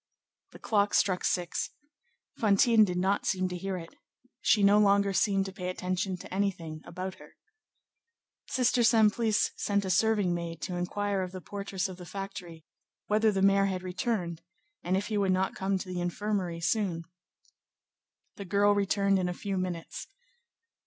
The clock struck six. Fantine did not seem to hear it. She no longer seemed to pay attention to anything about her. Sister Simplice sent a serving maid to inquire of the portress of the factory, whether the mayor had returned, and if he would not come to the infirmary soon. The girl returned in a few minutes.